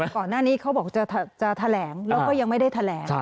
ก่อนหน้านี้เขาบอกจะแถลงแล้วก็ยังไม่ได้แถลง